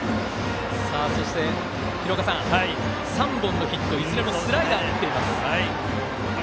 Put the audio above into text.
そして、３本のヒットいずれもスライダーを打っています、渡邊。